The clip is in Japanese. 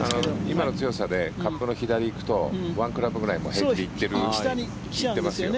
今の強さでカップの左に行くと１クラブぐらい行ってますよね。